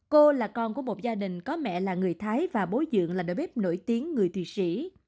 cô là con của một gia đình có mẹ là người thái và bố dưỡng là đỡ bếp nổi tiếng người thụy sĩ